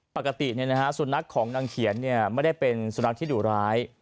ปกติสุนัขของนางเขียนไม่ได้เป็นสุนัขที่ดุร้าย